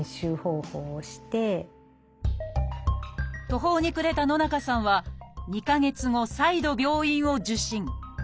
途方に暮れた野中さんは２か月後再度病院を受診。